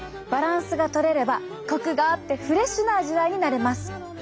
バランスがとれればコクがあってフレッシュな味わいになれます。